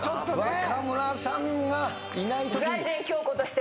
若村さんがいないときに。